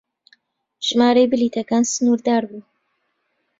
ژمارەی بلیتەکان سنوردار بوو.